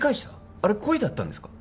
あれ故意だったんですか！？